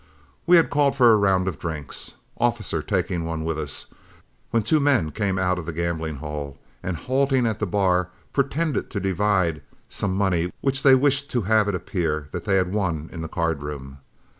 We had called for a round of drinks, Officer taking one with us, when two men came out of the gambling hell, and halting at the bar, pretended to divide some money which they wished to have it appear they had won in the card room.